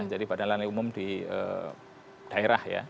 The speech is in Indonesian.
jadi badan layanan umum di daerah